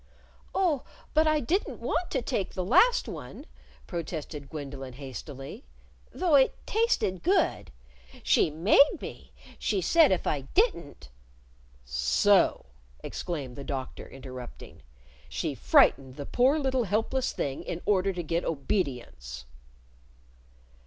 "Oh, but I didn't want to take the last one," protested Gwendolyn, hastily, " though it tasted good. She made me. She said if I didn't " "So!" exclaimed the Doctor, interrupting. "She frightened the poor little helpless thing in order to get obedience!"